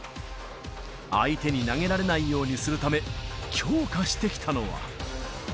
相手に投げられないようにするため、強化してきたのは。